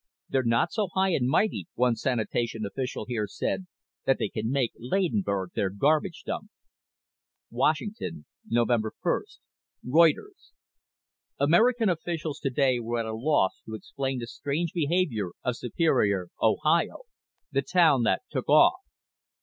_ "They're not so high and mighty," one sanitation official here said, "that they can make Ladenburg their garbage dump." _WASHINGTON, Nov. 1 (Reuters) American officials today were at a loss to explain the strange behaviour of Superior, Ohio, "the town that took off."